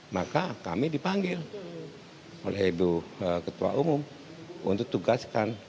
maka kami dipanggil oleh ibu ketua umum untuk tugaskan